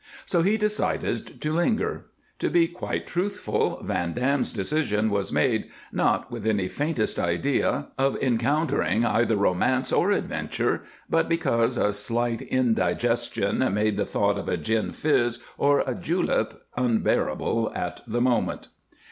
So he decided to linger. To be quite truthful, Van Dam's decision was made, not with any faintest idea of encountering either romance or adventure, but because a slight indigestion made the thought of a gin fizz or a julep unbearable at the moment.